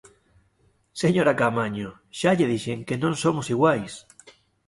Señora Caamaño, xa lle dixen que non somos iguais.